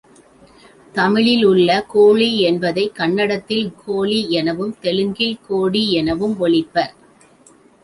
தமிழில் உள்ள கோழி என்பதைக் கன்னடத்தில் கோளி எனவும், தெலுங்கில் கோடி எனவும் ஒலிப்பர்.